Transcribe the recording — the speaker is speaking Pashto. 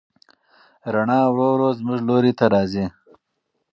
رڼا ورو ورو زموږ لوري ته راځي.